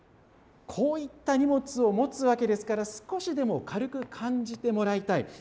こういった荷物を持つわけですから、少しでも軽く感じてもらいたい。